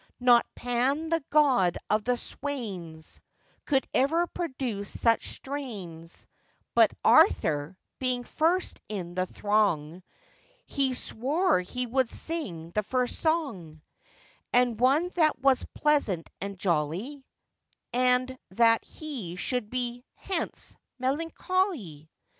Not Pan the god of the swains, Could ever produce such strains; But Arthur, being first in the throng, He swore he would sing the first song, And one that was pleasant and jolly: And that should be 'Hence, Melancholy!